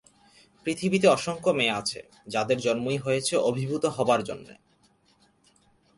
পৃথিবীতে অসংখ্য মেয়ে আছে যাদের জন্মই হয়েছে অভিভূত হবার জন্যে।